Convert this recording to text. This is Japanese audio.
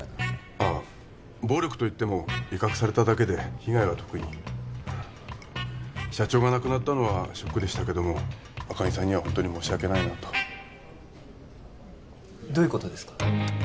ああ暴力といっても威嚇されただけで被害は特に社長が亡くなったのはショックでしたけども赤木さんにはホントに申し訳ないなとどういうことですか？